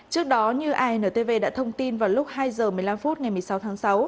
trước đó như intv đã thông tin vào lúc hai h một mươi năm phút ngày một mươi sáu tháng sáu